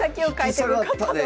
引き下がったで。